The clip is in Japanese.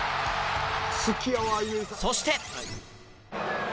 そして。